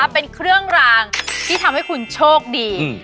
เป็นเครื่องรางที่ทำให้คุณโชคดี